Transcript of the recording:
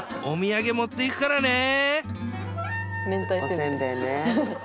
「おせんべいね」